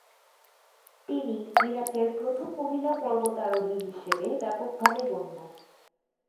তিনি ইরাকের প্রথম মহিলা পর্বতারোহী হিসেবে ব্যাপকভাবে গণ্য।